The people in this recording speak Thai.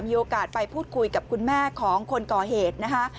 มีโอกาสไปพูดคุยกับคุณแม่ของคนก่อเหตุนะคะ